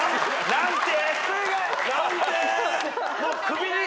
「何て？」